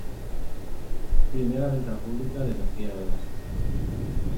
Primera venta pública de energía eólica.